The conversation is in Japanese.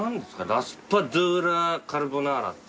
ラスパドゥーラカルボナーラって。